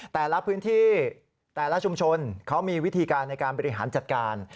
แต่ละพื้นที่แต่ละชุมชนเขามีวิธีการในการบริหารจัดการ